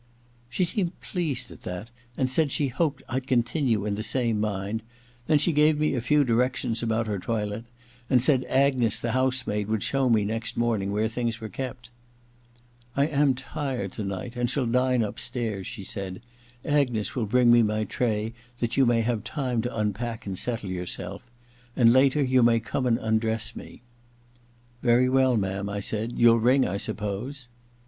She seemed pleased at that, and said she hoped I'd continue in the same mind ; then she gave me a few directions about her toilet, and said Agnes the house maid would show me next morning where things were kept. • I am tired to night, and shall dine upstairs,' she said. * Agnes will bring me my tray, that you may have time to unpack and settle your self ; and later you may come and undress me.' • Very well, ma'am,' I s^d. * You'll ring, I suppose